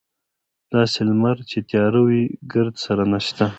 داسې لمر چې تیاره وي ګردسره نشته.